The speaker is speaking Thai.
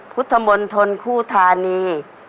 พุทธมนตร์ทนคู่ทานี